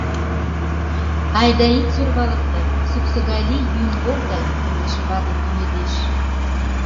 Айда, ит сӧрвалыкте, суксо гай лий, йӱын колто! — путлышо ватет ӱедеш.